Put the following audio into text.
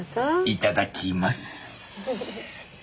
いただきます。